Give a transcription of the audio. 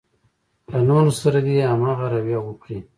له نورو سره دې هماغه رويه وکړي.